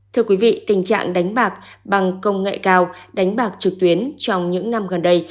thưa quý vị tình trạng đánh bạc bằng công nghệ cao đánh bạc trực tuyến trong những năm gần đây